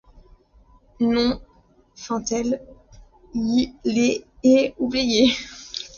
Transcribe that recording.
Non, feit-elle, ie les ay oubliées.